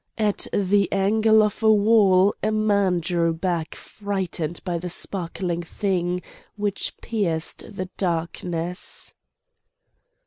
At the angle of a wall a man drew back frightened by the sparkling thing which pierced the darkness.